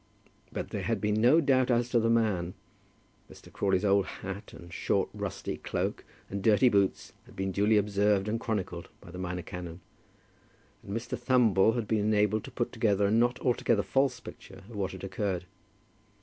But there had been no doubt as to the man. Mr. Crawley's old hat, and short rusty cloak, and dirty boots, had been duly observed and chronicled by the minor canon; and Mr. Thumble had been enabled to put together a not altogether false picture of what had occurred.